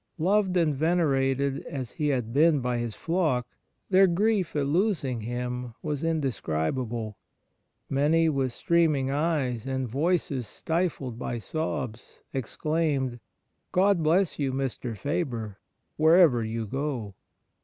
Loved and venerated as he had been by his flock, their grief at losing him was indescribable. Many, with streaming eyes and voices stifled by sobs, exclaimed :' God bless you, Mr. Faber, wherever you go